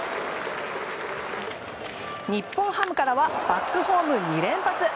日本ハムからはバックホーム２連発！